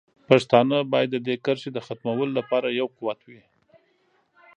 پښتانه باید د دې کرښې د ختمولو لپاره یو قوت وي.